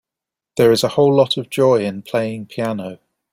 There is a whole lot of joy in playing piano.